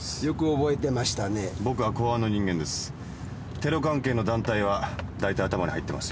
テロ関係の団体はだいたい頭に入っていますよ。